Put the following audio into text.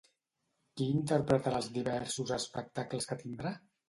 Qui interpretarà els diversos espectacles que tindrà?